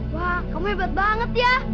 wah kamu hebat banget ya